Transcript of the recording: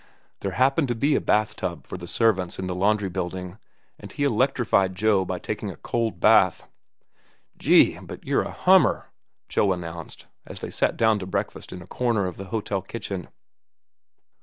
There happened to be a bath tub for the servants in the laundry building, and he electrified Joe by taking a cold bath. "Gee, but you're a hummer!" Joe announced, as they sat down to breakfast in a corner of the hotel kitchen.